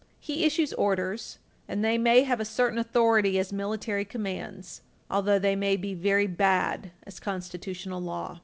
He issues orders, and they may have a certain authority as military commands, although they may be very bad as constitutional law.